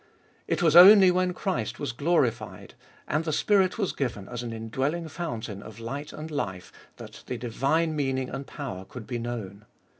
It was only when Christ was Ibolfest of Bll 121 glorified, and the Spirit was given as an indwelling fountain of light and life, that the divine meaning and power could be known.